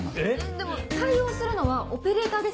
でも対応するのはオペレーターですから。